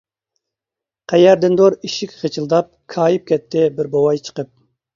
قەيەردىندۇر ئىشىك غىچىلداپ، كايىپ كەتتى بىر بوۋاي چىقىپ.